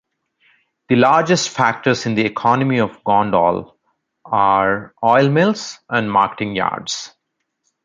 The largest factors in the economy of Gondal are oil mills and marketing yards.